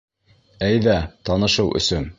Әйҙә, танышыу өсөн...